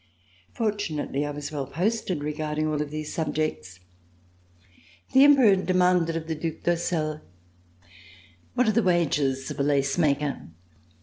Fortunately I was well posted regarding all of these subjects. The Emperor demanded of the Due d'Ursel :" What are the wages of a lace maker